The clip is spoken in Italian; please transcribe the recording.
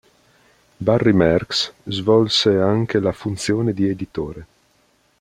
Barry Marx svolse anche la funzione di editore.